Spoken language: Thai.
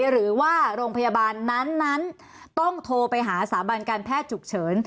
หรือว่าโรงพยาบาลนั้นต้องโทรไปหาสาบันการแพทย์ฉุกเฉิน